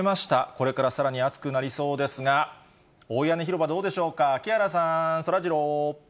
これからさらに暑くなりそうですが、大屋根広場どうでしょうか、木原さん、そらジロー。